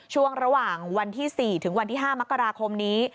ช่วงระหว่างวันที่๔ถึงวันที่๕มกราคมนี้